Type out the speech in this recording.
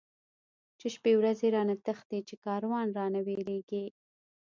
چی شپی ورځی را نه تښتی، چی کاروان را نه بیلیږی